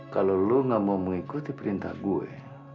kalau lo gak mau mengikuti perintah gue